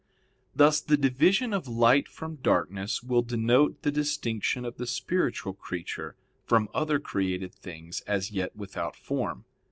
Thus the division of light from darkness will denote the distinction of the spiritual creature from other created things as yet without form.